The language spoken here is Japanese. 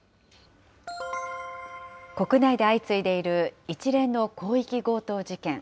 国内で相次いでいる一連の広域強盗事件。